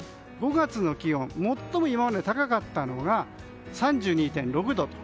５月の気温、最も今まで高かったのが３２．６度。